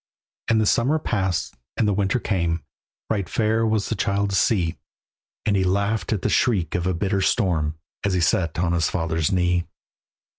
And the summer passed, and the winter came; Right fair was the child to see, And he laughed at the shriek of a bitter storm As he sat on his father's knee.